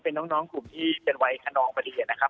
เป็นน้องกลุ่มที่เป็นวัยขนองปฏิเหตุนะครับ